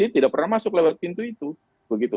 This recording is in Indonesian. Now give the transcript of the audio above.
dia tidak pernah masuk lewat pintu itu